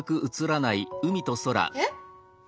えっ！